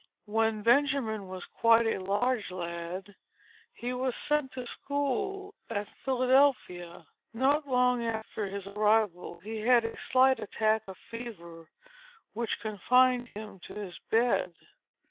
When Benjamin was quite a large lad, he was sent to school at Philadelphia. Not long after his arrival, he had a slight attack of fever, which confined him to his bed.